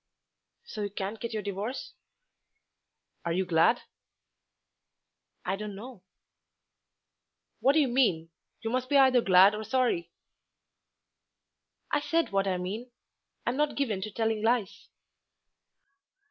"So you can't get your divorce?" "Are you glad?" "I don't know." "What do you mean? You must be either glad or sorry." "I said what I mean. I am not given to telling lies."